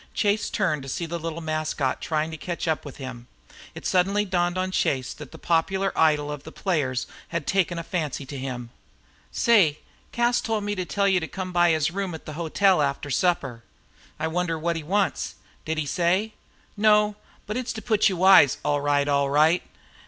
Chase turned to see the little mascot trying to catch up with him. It suddenly dawned on Chase that the popular idol of the players had taken a fancy to him. "Say, Cas tol' me to tell you to come to his room at the hotel after supper." "I wonder what he wants. Did he say?" "No. But it's to put you wise, all right, all right.